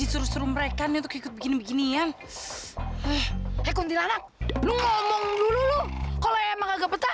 sama kaki aku juga